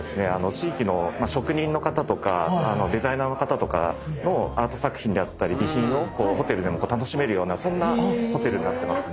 地域の職人の方とかデザイナーの方とかのアート作品であったり備品をホテルでも楽しめるようなそんなホテルになってますね。